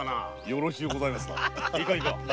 よろしゅうございますな。